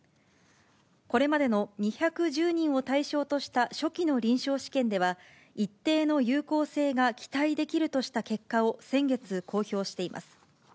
これまでの２１０人を対象とした初期の臨床試験では、一定の有効性が期待できるとした結果を先月、公表しています。